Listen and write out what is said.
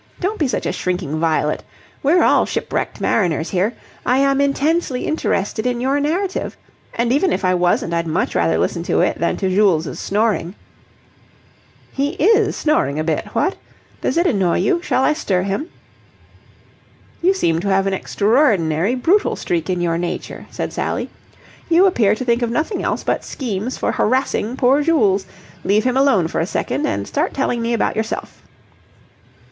Don't be such a shrinking violet. We're all shipwrecked mariners here. I am intensely interested in your narrative. And, even if I wasn't, I'd much rather listen to it than to Jules' snoring." "He is snoring a bit, what? Does it annoy you? Shall I stir him?" "You seem to have an extraordinary brutal streak in your nature," said Sally. "You appear to think of nothing else but schemes for harassing poor Jules. Leave him alone for a second, and start telling me about yourself."